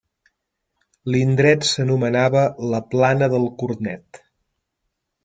L'indret s'anomenava la plana del cornet.